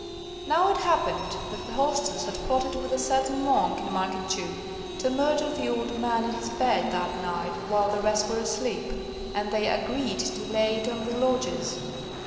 Now it happened that the hostess had plotted with a certain monk in Market Jew to murder the old man in his bed that night while the rest were asleep, and they agreed to lay it on the lodgers.